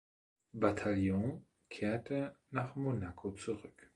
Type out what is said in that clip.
Bataillon kehrte nach Monaco zurück.